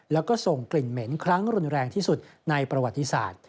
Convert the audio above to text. แล้วก็ส่งกลิ่นเหม็นครั้งรุนแรงที่สุดในประวัติศาสตร์